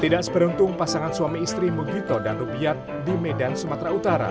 tidak seberuntung pasangan suami istri mugito dan rubiat di medan sumatera utara